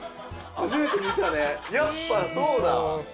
やっぱそうだ。